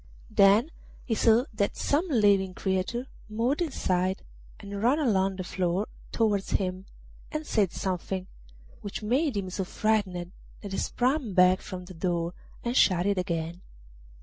Then he saw that some living creature moved inside and ran along the floor towards him and said something, which made him so frightened that he sprang back from the door and shut it again.